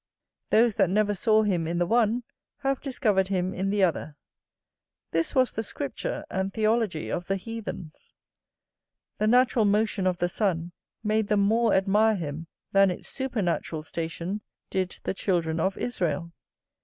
Those that never saw him in the one have discovered him in the other; this was the scripture and theology of the heathens; the natural motion of the sun made them more admire him than its supernatural station did the children of Israel.